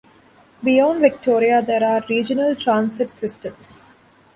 Beyond Victoria, there are regional transit systems.